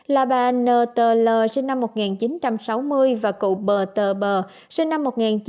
là bà n tờ l sinh năm một nghìn chín trăm sáu mươi và cụ bờ tờ bờ sinh năm một nghìn chín trăm ba mươi năm